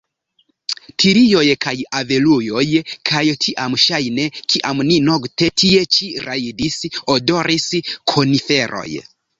Tilioj kaj avelujoj, kaj tiam ŝajne, kiam ni nokte tie ĉi rajdis, odoris koniferoj.